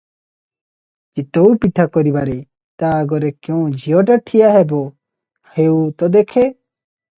ଚିତଉପିଠା କରିବାରେ ତା ଆଗରେ କେଉଁ ଝିଅଟା ଠିଆ ହେବ ହେଉ ତ ଦେଖେଁ ।